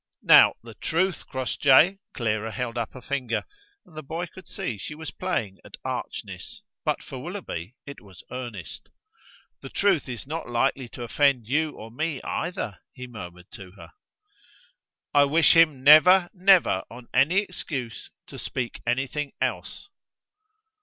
"Now, the truth, Crossjay!" Clara held up a finger; and the boy could see she was playing at archness, but for Willoughby it was earnest. "The truth is not likely to offend you or me either," he murmured to her. "I wish him never, never, on any excuse, to speak anything else."